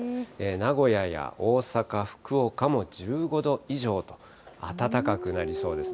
名古屋や大阪、福岡も１５度以上と、暖かくなりそうですね。